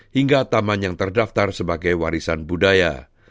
hingga taman yang terdaftar sebagai warisan budaya